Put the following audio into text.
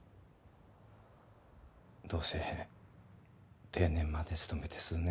どうせ定年まで勤めて数年。